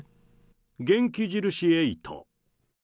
元気印∞。